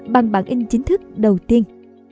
bằng bản in chính thức đầu tiên